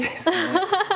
ハハハハ。